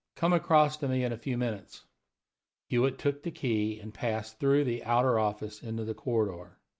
Come across to me in a few minutes." Hewitt took the key and passed through the outer office into the corridor.